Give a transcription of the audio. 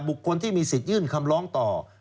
คนที่มีสิทธิ์ยื่นคำร้องต่อ